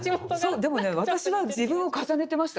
でも私は自分を重ねてましたよね。